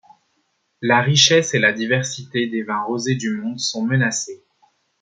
La richesse et la diversité des vins rosés du monde sont menacées.